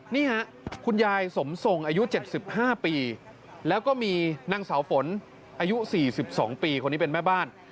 นี่ค่ะคุณยายสมทรงอายุ๗๕ปีแล้วก็มีนางเสาฝนอายุ๔๒ปีคนนี้เป็นแม่บ้าน